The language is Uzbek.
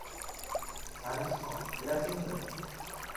— Nargisxon! Bilasizmi?..